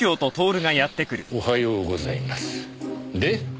おはようございます。